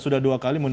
sudah diajukan ke mk